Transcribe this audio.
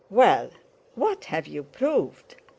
Well, what have you proved?